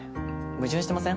矛盾してません？